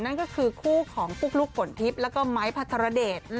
นั่นก็คือคู่ของปุ๊กลุ๊กฝนทิพย์แล้วก็ไม้พัทรเดช